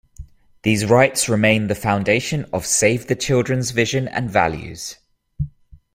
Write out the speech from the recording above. These rights remain the foundation of Save the Children's vision and values.